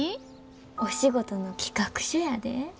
お仕事の企画書やで。